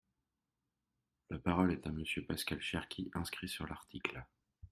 La parole est à Monsieur Pascal Cherki, inscrit sur l’article.